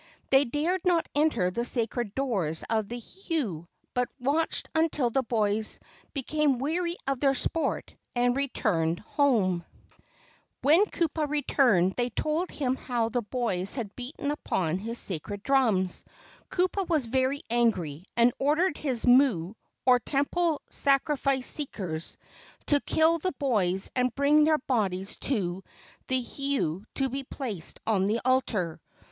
They dared not enter the sacred doors of the heiau, but watched until the boys became weary of their sport and returned home. KUKUI TREES, IAO VALLEY, MT. EEKE KAUHUHU , THE SHARK GOD OF MOLOKAI 51 When Kupa returned they told him how the boys had beaten upon his sacred drums. Kupa was very angry, and ordered his mu, or temple sacri¬ fice seekers, to kill the boys and bring their bodies to the heiau to be placed on the altar.